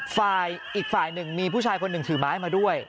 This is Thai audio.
อีกฝ่ายหนึ่งมีผู้ชายคนหนึ่งถือไม้มาด้วย